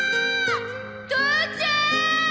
父ちゃん！